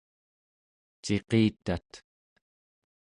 ciqitat